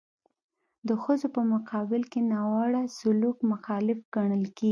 د ښځو په مقابل کې ناوړه سلوک مخالف ګڼل کیږي.